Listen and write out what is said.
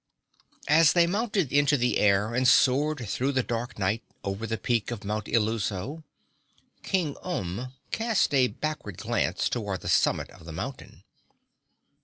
As they mounted into the air and soared through the dark night over the peak of Mount Illuso, King Umb cast a backward glance toward the summit of the mountain.